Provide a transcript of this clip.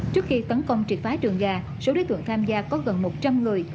trước khi tấn công trị phá trường gà số đối tượng tham gia có gần một trăm linh người